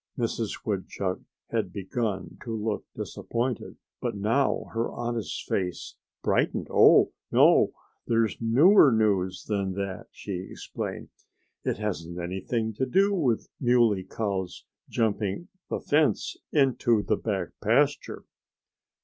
Mrs. Woodchuck had begun to look disappointed. But now her honest face brightened. "Oh, no! There's newer news than that," she explained. "It hasn't anything to do with the Muley Cow's jumping the fence into the back pasture."